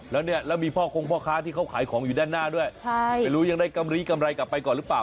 แล้วเนี่ยแล้วมีพ่อคงพ่อค้าที่เขาขายของอยู่ด้านหน้าด้วยไม่รู้ยังได้กำลีกำไรกลับไปก่อนหรือเปล่า